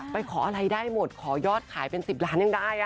ไปขออะไรได้หมดขอยอดขายเป็น๑๐ล้านยังได้